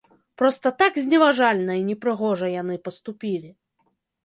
Проста так зневажальна і непрыгожа яны паступілі.